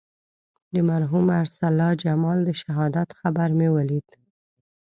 د مرحوم ارسلا جمال د شهادت خبر مې ولید.